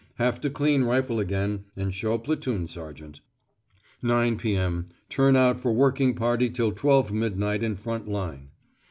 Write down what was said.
Have to clean rifle again and show platoon sergeant. 9 p.m. Turn out for working party till 12 midnight in front line.